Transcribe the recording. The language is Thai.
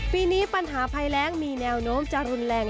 ปีนี้ปัญหาภัยแรงมีแนวโน้มจะรุนแรง